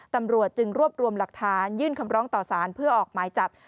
ตำรวจจึงรวบรวมหลักฐานยื่นคำร้องต่อสารเพื่อออกหมายจับ